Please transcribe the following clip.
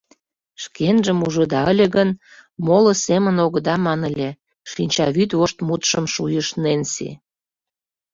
Шкенжым ужыда ыле гын, моло семын огыда ман ыле, — шинчавӱд вошт мутшым шуйыш Ненси.